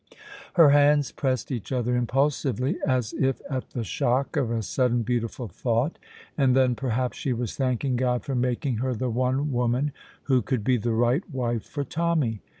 Her hands pressed each other impulsively, as if at the shock of a sudden beautiful thought, and then perhaps she was thanking God for making her the one woman who could be the right wife for Tommy.